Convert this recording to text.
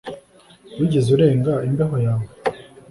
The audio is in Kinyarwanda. Wigeze urenga imbeho yawe